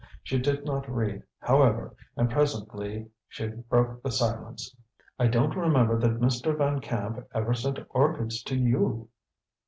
She did not read, however, and presently she broke the silence. "I don't remember that Mr. Van Camp ever sent orchids to you."